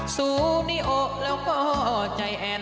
สูนิโอแล้วก็ใจแอน